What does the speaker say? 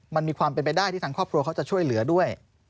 มันมีความเป็นไปได้ที่ทางครอบครัวเขาจะช่วยเหลือด้วย